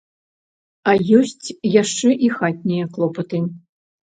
А ёсць яшчэ і хатнія клопаты.